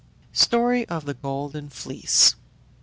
STORY OF THE GOLDEN FLEECE.